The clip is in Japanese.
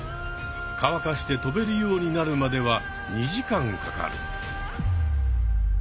かわかしてとべるようになるまでは２時間かかる。